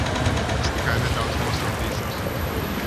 Es tikai nedaudz nosnaudīšos.